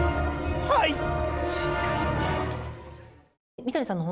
はい。